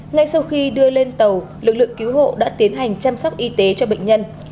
ngay sau khi đưa lên tàu lực lượng cứu hộ đã tiến hành chăm sóc y tế cho bệnh nhân